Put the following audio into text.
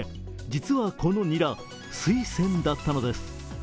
実はこのニラ、スイセンだったのです。